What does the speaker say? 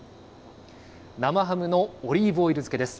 生ハムのオリーブオイル漬けです。